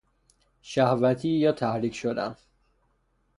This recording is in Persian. شهوتی یا تحریک شدن